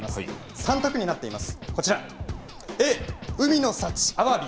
３択になっています。